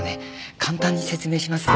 簡単に説明しますと。